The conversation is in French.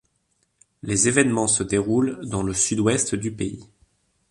Les événements se déroulent dans le sud-ouest du pays.